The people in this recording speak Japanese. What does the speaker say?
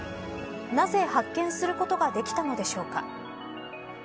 なぜ、発見することができたのでしょうか。